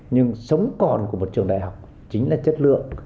nhưng sống còn của một trường đại học chính là chất lượng